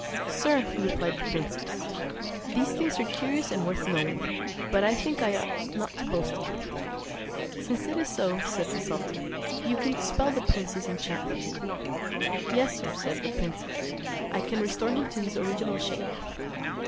"Sir," replied the princess, "these things are curious and worth knowing; but I think I ought not to boast of them." "Since it is so," said the sultan, "you can dispel the prince's enchantment." "Yes, sir," said the princess, "I can restore him to his original shape."